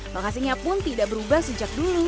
lokasinya pun tidak berubah sejak dulu